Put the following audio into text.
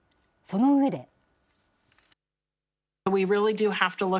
その上で。